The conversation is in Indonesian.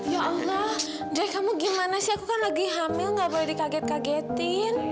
ya allah jadi kamu gimana sih aku kan lagi hamil gak boleh dikaget kagetin